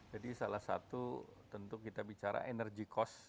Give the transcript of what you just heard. jadi salah satu tentu kita bicara energy cost